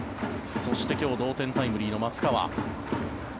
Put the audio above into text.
そして今日同点タイムリーの松川。